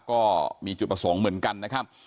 ก็มีจุดประสงค์เหมือนกันนะครับ